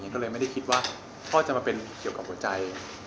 ก็เลยไม่ได้คิดว่าพ่อจะมาเป็นเกี่ยวกับหัวใจ